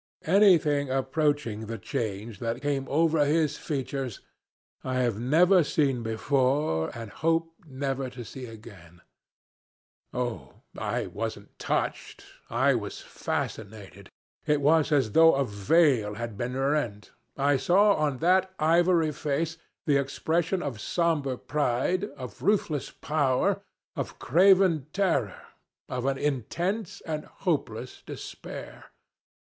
"Anything approaching the change that came over his features I have never seen before, and hope never to see again. Oh, I wasn't touched. I was fascinated. It was as though a veil had been rent. I saw on that ivory face the expression of somber pride, of ruthless power, of craven terror of an intense and hopeless despair.